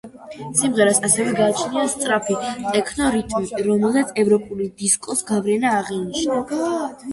სიმღერას ასევე გააჩნია სწრაფი ტექნო რიტმი, რომელზეც ევროპული დისკოს გავლენა აღინიშნება.